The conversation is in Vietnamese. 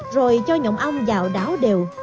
rồi cho nhồng ong vào đảo đều